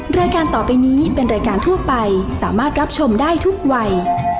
รายการต่อไปนี้เป็นรายการทั่วไปสามารถรับชมได้ทุกวัย